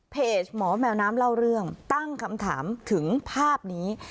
เพจหมอแมวน้ำเล่าเรื่องตั้งคำถามถึงภาพนี้